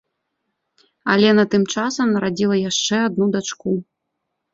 Алена тым часам нарадзіла яшчэ адну дачку.